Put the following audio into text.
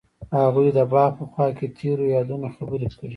هغوی د باغ په خوا کې تیرو یادونو خبرې کړې.